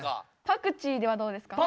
パクチーではどうですか？